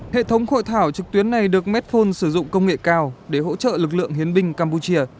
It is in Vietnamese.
hệ thống hội thảo trực tuyến này được medphone sử dụng công nghệ cao để hỗ trợ lực lượng hiến binh campuchia